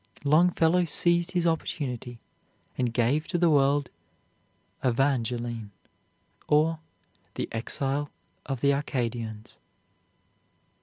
Longfellow seized his opportunity and gave to the world 'Evangeline, or the Exile of the Acadians.'"